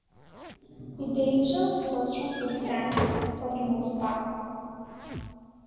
The danger was from Puritans, for the most part.